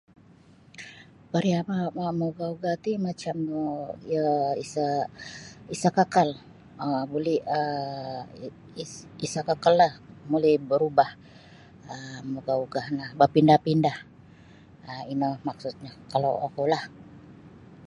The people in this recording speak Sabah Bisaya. Pariyama maugah-ugah ti macam no iyo isa isa kakal um buli um isa kakallah buli berubah um maugah-ugah no bapindah-pindah um ino maksudnyo kalau okulah.